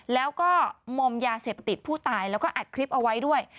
แล้วก็มอมยาเสพติดผู้ตายแล้วก็อัดคลิปเอาไว้ด้วย